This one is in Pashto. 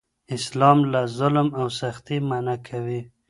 اسلام له ظلم او سختۍ منع کوي.